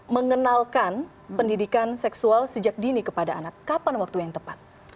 mengenalkan pendidikan seksual sejak dini kepada anak kapan waktu yang tepat